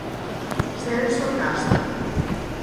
Celso Castro.